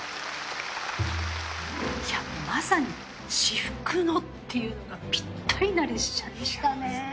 まさに至福のっていうのがピッタリな列車でしたね。